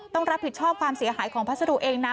ต้องรับผิดชอบความเสียหายของพัสดุเองนะ